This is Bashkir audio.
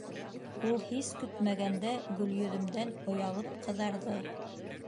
Ул һис көтмәгәндә Гөлйөҙөмдән оялып ҡыҙарҙы.